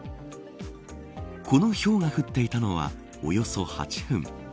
このひょうが降っていたのはおよそ８分。